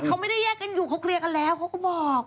เขาไม่ได้แยกกันอยู่เขาเคลียร์กันแล้วเขาก็บอก